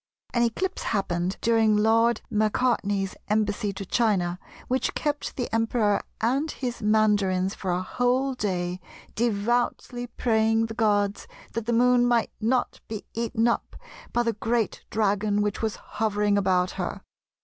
An eclipse happened during Lord Macartney's embassy to China which kept the Emperor and his Mandarins for a whole day devoutly praying the gods that the Moon might not be eaten up by the great dragon which was hovering about her.